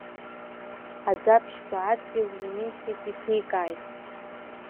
Аӡаԥшьба адгьыл имихит, ихикааит.